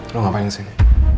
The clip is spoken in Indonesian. lo ngapain di sini